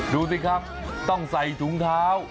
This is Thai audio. ดูสิครับต้องใส่ถุงเท้า